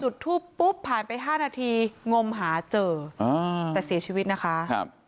จุดทูปปุ๊บผ่านไป๕นาทีงมหาเจอแต่เสียชีวิตนะคะ